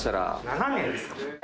７年ですか。